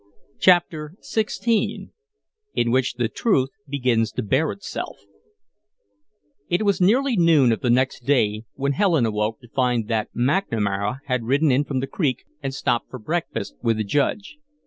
CHAPTER XVI IN WHICH THE TRUTH BEGINS TO BARE ITSELF It was nearly noon of the next day when Helen awoke to find that McNamara had ridden in from the Creek and stopped for breakfast with the Judge.